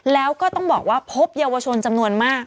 แล้วก็ต้องบอกว่าพบเยาวชนจำนวนมาก